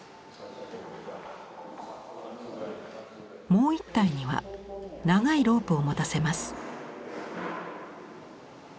もう１体には長いロープを持たせます。